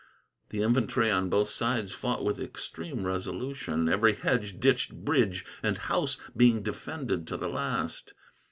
The infantry on both sides fought with extreme resolution; every hedge, ditch, bridge, and house being defended to the last.